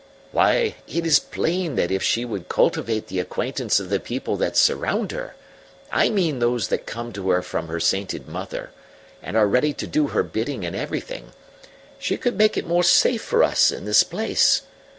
"Why, it is plain that if she would cultivate the acquaintance of the people that surround her I mean those that come to her from her sainted mother and are ready to do her bidding in everything, she could make it more safe for us in this place.